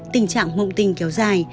tình trạng mộng tinh kéo dài